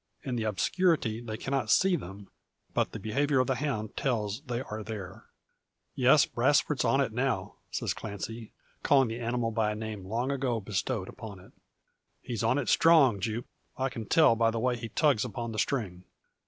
In the obscurity they cannot see them; but the behaviour of the hound tells they are there. "Yes; Brasfort's on it now," says Clancy, calling the animal by a name long ago bestowed upon it. "He's on it strong, Jupe. I can tell by the way he tugs upon the string."